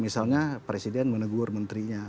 misalnya presiden menegur menterinya